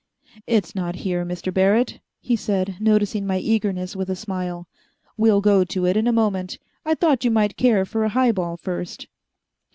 "It's not here, Mr. Barrett," he said, noticing my eagerness with a smile, "we'll go to it in a moment. I thought you might care for a highball first."